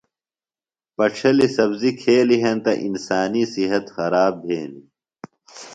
پڇھلیۡ سبزیۡ کھیلیۡ ہینتہ انسانیۡ صحت خراب بھینیۡ۔